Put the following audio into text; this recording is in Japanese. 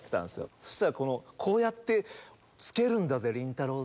そしたら「こう着けるんだぜりんたろー。」